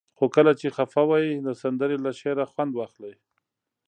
خو کله چې خفه وئ د سندرې له شعره خوند اخلئ.